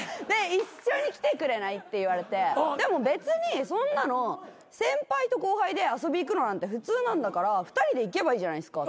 一緒に来てくれない？って言われてでも別にそんなの先輩と後輩で遊び行くのなんて普通なんだから２人で行けばいいじゃないですか。